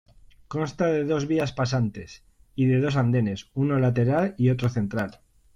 Consta de dos vías pasantes y de dos andenes, uno lateral y otro central.